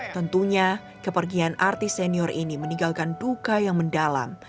tentunya kepergian artis senior ini meninggalkan duka yang mendalam